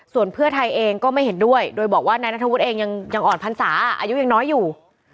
ส่วนเพื่อไทยเองก็ไม่เห็นด้วยโดยบอกว่านายนัทธวุฒิเองยังอ่อนพรรษาอายุยังน้อยอยู่